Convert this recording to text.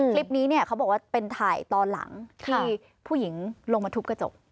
คลิปนี้เนี่ยเขาบอกว่าเป็นถ่ายตอนหลังที่ผู้หญิงลงมาทุบกระจก